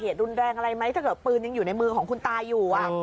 รุนแรงอะไรไหมถ้าเกิดปืนยังอยู่ในมือของคุณตาอยู่